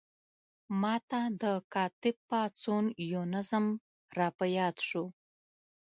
ما ته د کاتب پاڅون یو نظم را په یاد شو.